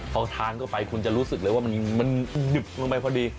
พอทานเข้าไปคุณจะรู้สึกเลยว่ามันดึบลงไปพอดี